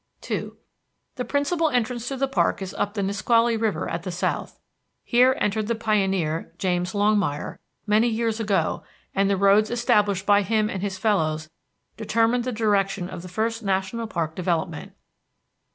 II The principal entrance to the park is up the Nisqually River at the south. Here entered the pioneer, James Longmire, many years ago, and the roads established by him and his fellows determined the direction of the first national park development.